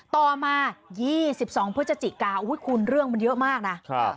ต่อมา๒๒พฤศจิกาคุณเรื่องมันเยอะมากนะ